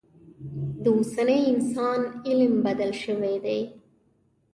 د اوسني انسان علم بدل شوی دی.